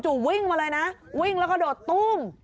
วิ่งมาเลยนะวิ่งแล้วก็โดดตู้ม